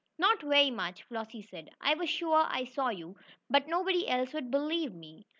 "Not very much," Flossie said. "I was sure I saw you, but nobody else would believe me."